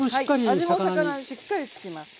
味も魚にしっかりつきます。